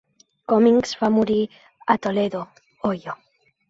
Cummings va morir a Toledo (Ohio).